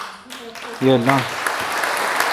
یہ۔ لنگ